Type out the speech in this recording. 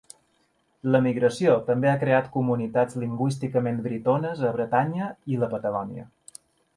L'emigració també ha creat comunitats lingüísticament britones a Bretanya i la Patagònia.